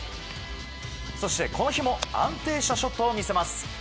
そして、この日も安定したショットを見せます。